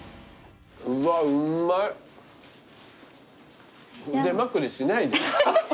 うわうんまい。